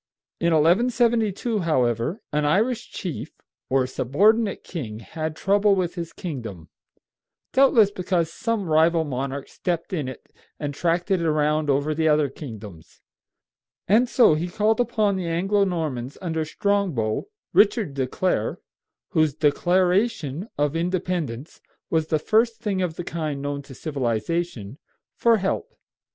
In 1172, however, an Irish chief, or subordinate king, had trouble with his kingdom, doubtless because some rival monarch stepped in it and tracked it around over the other kingdoms, and so he called upon the Anglo Normans under Strongbow (Richard de Clare), whose deClaration of Independence was the first thing of the kind known to civilization, for help.